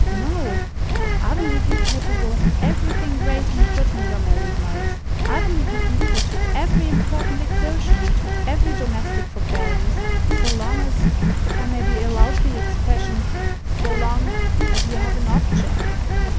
No, I believe you capable of everything great and good in your married lives. I believe you equal to every important exertion, and to every domestic forbearance, so long as—if I may be allowed the expression—so long as you have an object.